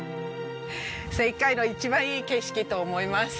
世界の一番いい景色と思います。